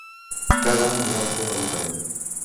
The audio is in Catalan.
Cada any hi ha un tema diferent.